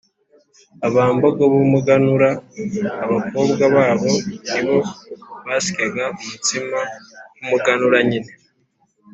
“abambogo b’umuganura” abakobwa babo ni bo basyaga umutsima w’umuganura nyine